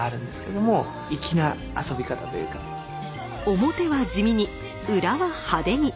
表は地味に裏は派手に。